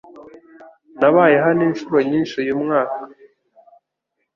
Nabaye hano inshuro nyinshi uyu mwaka.